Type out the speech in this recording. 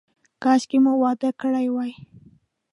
کاشکې مو واده کړی وای.